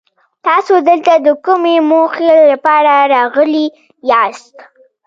تاسو دلته د کومې موخې لپاره راغلي ياست؟